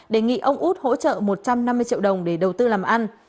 đề nghị ông út hỗ trợ một trăm năm mươi triệu đồng để đầu tư làm ăn